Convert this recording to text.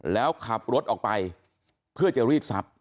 แล้วขับรถออกไปเพื่อจะรีดทรัพย